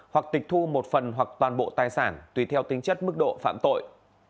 hoặc tịch thu một phần hoặc toàn bộ tài sản tùy theo tính chất mức độ phạm tội